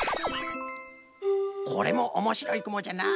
これもおもしろいくもじゃなあ。